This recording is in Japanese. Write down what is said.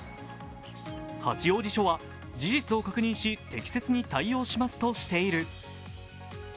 八王子署は、事実を確認し、適切に対応しますとしている。